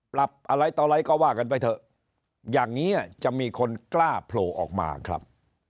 อะไรต่ออะไรก็ว่ากันไปเถอะอย่างนี้จะมีคนกล้าโผล่ออกมาครับ